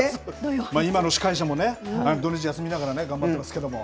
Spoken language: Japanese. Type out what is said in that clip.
今の司会者もね、土日ながら頑張ってますけれども。